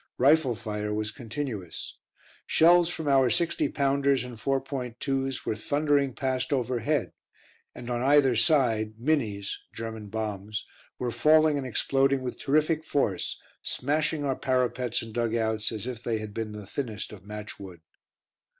Rifle fire was continuous; shells from our 60 pounders and 4.2's were thundering past overhead, and on either side "Minnies" (German bombs) were falling and exploding with terrific force, smashing our parapets and dug outs as if they had been the thinnest of matchwood.